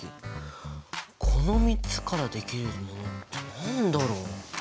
この３つからできるものって何だろう？